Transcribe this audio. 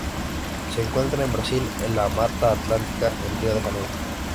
Se encuentra en Brasil en la Mata Atlántica en Río de Janeiro.